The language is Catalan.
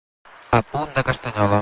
A punt de castanyola.